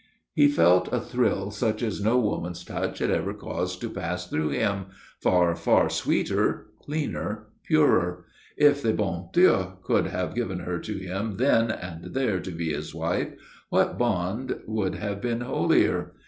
He felt a thrill such as no woman's touch had ever caused to pass through him far, far sweeter, cleaner, purer. If the bon Dieu could have given her to him then and there to be his wife, what bond could have been holier?